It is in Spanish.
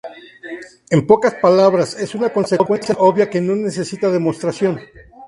En pocas palabras, es una consecuencia obvia que no necesita demostración.